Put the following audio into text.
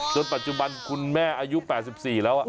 ปัจจุบันคุณแม่อายุ๘๔แล้ว